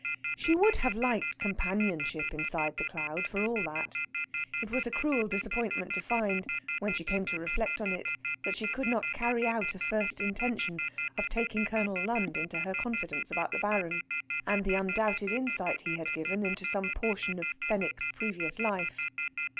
She would have liked companionship inside the cloud, for all that. It was a cruel disappointment to find, when she came to reflect on it, that she could not carry out a first intention of taking Colonel Lund into her confidence about the Baron, and the undoubted insight he had given into some portion of Fenwick's previous life.